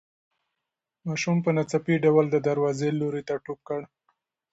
ماشوم په ناڅاپي ډول د دروازې لوري ته ټوپ کړ.